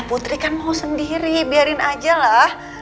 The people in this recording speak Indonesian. putri kan mau sendiri biarin aja lah